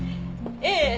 ええ。